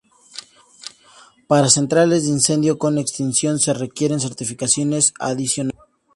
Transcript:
Para centrales de incendio con extinción, se requieren certificaciones adicionales.